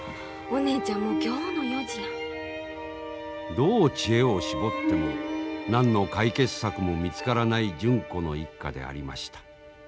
どう知恵を絞っても何の解決策も見つからない純子の一家でありました。